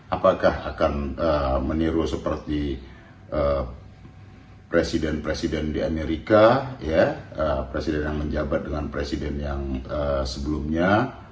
apakah akan meniru seperti presiden presiden di amerika presiden yang menjabat dengan presiden yang sebelumnya